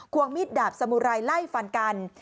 วงมีดดาบสมุไรไล่ฟันกัน